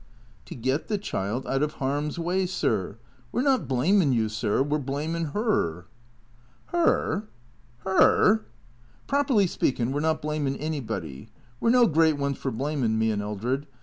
" To get the child out of harm's way, sir. We 're not blamin' you, sir. We 're blamin' 'er." "Her? Her?" " Properly speakin', we 're not blamin' anybody. We 're no great ones for blamin', me and Eldred.